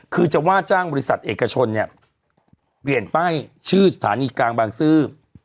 คือจะว่าจ้างบริษัทเอกชนเนี่ยเปลี่ยนป้ายชื่อสถานีกลางบางซื่อ